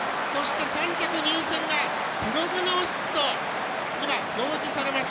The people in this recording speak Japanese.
そして、３着入線がプログノーシスと今、表示されます。